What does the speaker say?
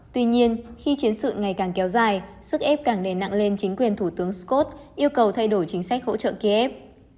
tuy nhiên khi chiến sự ngày càng kéo dài sức ép càng nề nặng lên chính quyền thủ tướng scott yêu cầu thay đổi chính sách hỗ trợ kiev